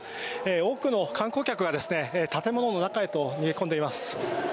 多くの観光客が建物の中へと逃げ込んでいます。